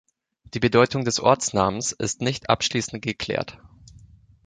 Die Bedeutung des Ortsnamens ist nicht abschließend geklärt.